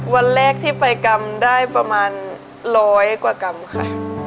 วันแรกที่ไปกรรมได้ประมาณร้อยกว่ากรรมค่ะ